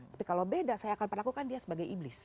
tapi kalau beda saya akan perlakukan dia sebagai iblis